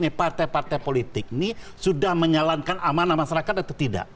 ini partai partai politik ini sudah menyalankan amanah masyarakat atau tidak